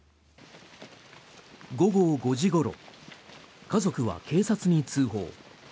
午後５時ごろ家族は警察に通報。